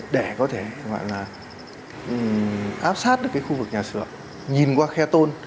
để có thể gọi là áp sát được cái khu vực nhà sửa nhìn qua khe tôn